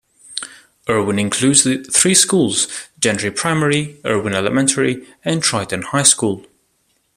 Erwin includes three schools: Gentry Primary, Erwin Elementary, and Triton High School.